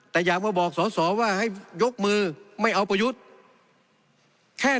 แต่อยากมาบอกสอสอว่าให้ยกมือไม่เอาประยุทธ์แค่